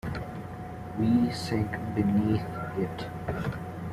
We sink beneath it.